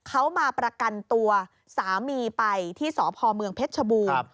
เขามาประกันตัวสามีไปที่สพเมืองเพชรชบูรณ์